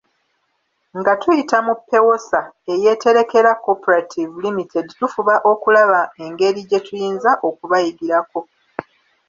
Nga tuyita mu Pewosa eyeeterekera Cooperative Limited tufuba okulaba engeri gye tuyinza okubayigirako.